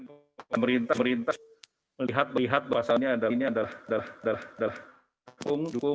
pemerintah pemerintah lihat lihat bahasanya ada ini adalah